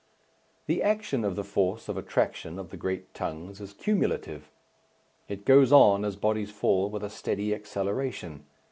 The action of the force of attraction of the great tongues is cumulative. It goes on, as bodies fall, with a steady acceleration.